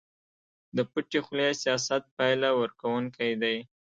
د پټې خولې سياست پايله ورکوونکی دی.